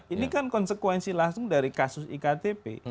ini kan konsekuensi langsung dari kasus iktp